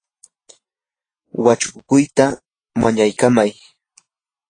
wachukuykita mañaykamay.